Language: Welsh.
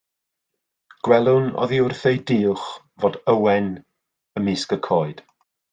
Gwelwn oddi wrth eu duwch fod ywen ymysg y coed.